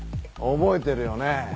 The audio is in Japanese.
覚えてるよね？